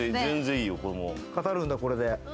語るんだ、これで。